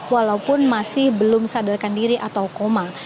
walaupun masih belum sadarkan diri atau koma